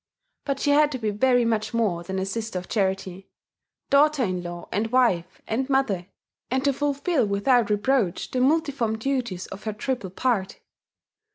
But she had to be very much more than a Sister of Charity, daughter in law and wife and mother, and to fulfil without reproach the multiform duties of her triple part.